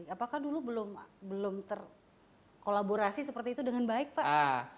apakah dulu belum terkolaborasi seperti itu dengan baik pak